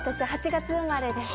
８月生まれです。